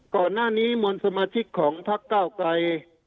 ก่อนหน้านี้มวลสมาชิกของพักเก้าไกร